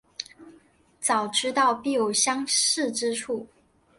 早已知道必有相似之处